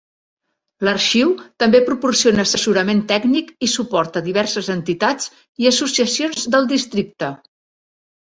L'Arxiu també proporciona assessorament tècnic i suport a diverses entitats i associacions del districte.